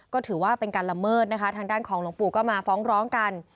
ก็ถือว่าเป็นการละเมิดนะคะทางด้านของหลวงปู่ก็มาฟ้องร้องกัน